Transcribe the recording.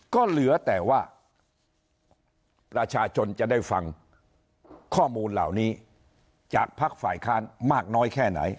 ก็เหลือแต่ว่าประชาชนจะได้ฟังข้อมูลเหล่านี้จากภักดิ์ฝ่ายค้านมากน้อยแค่ไหน